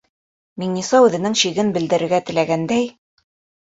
Миңниса үҙенең шиген белдерергә теләгәндәй: